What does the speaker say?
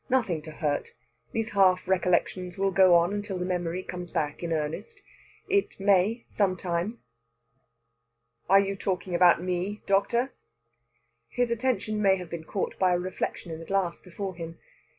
"Nothing to hurt. These half recollections will go on until the memory comes back in earnest. It may some time." "Are you talking about me, doctor?" His attention may have been caught by a reflection in a glass before him.